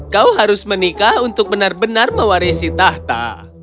kau harus menikah untuk benar benar mewarisi tahta